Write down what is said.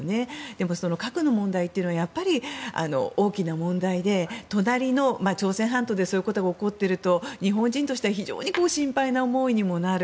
でも、核の問題というのはやっぱり大きな問題で隣の朝鮮半島でそういうことが起こっていると日本人としては非常に心配な思いにもなる。